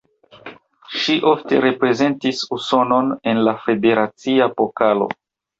Ŝi ofte reprezentis Usonon en la Federacia Pokalo.